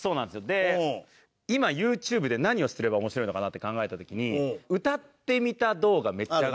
で今ＹｏｕＴｕｂｅで何をすれば面白いのかなって考えた時に「歌ってみた動画」めっちゃ上がってるじゃないですか。